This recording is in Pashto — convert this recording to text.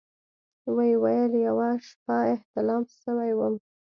ويې ويل يوه شپه احتلام سوى وم.